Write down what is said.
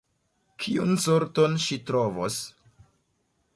Kiun sorton ŝi trovos?